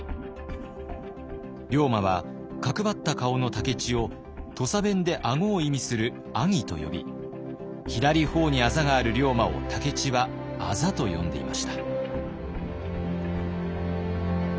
龍馬は角張った顔の武市を土佐弁で顎を意味する「アギ」と呼び左頬にあざがある龍馬を武市は「アザ」と呼んでいました。